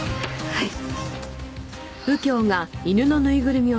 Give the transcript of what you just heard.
はい。